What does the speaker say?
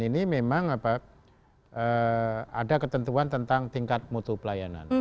ini memang ada ketentuan tentang tingkat mutu pelayanan